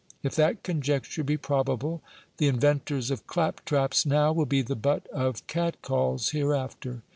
If that conjecture be probable, the inventors of clap traps now will be the butt of cat calls hereafter.